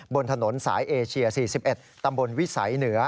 บนถนนสายเอเชีย๔๑ตำบลวิสัยเหนือ